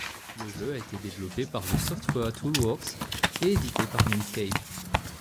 Le jeu a été développé par The Software Toolworks et édité par Mindscape.